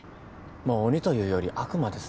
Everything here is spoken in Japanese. もう鬼というより悪魔ですね。